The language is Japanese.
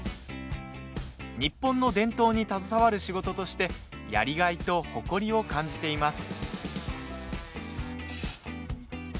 日本の伝統に携わる仕事としてやりがいと誇りを感じています。